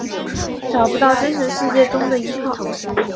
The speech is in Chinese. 找不到真实世界中的依靠